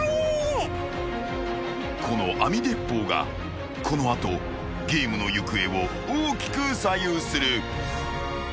［この網鉄砲がこの後ゲームの行方を大きく左右する］